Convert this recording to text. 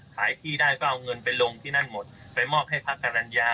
ขายที่ได้ก็เอาเงินไปลงที่นั่นหมดไปมอบให้พระจรรยา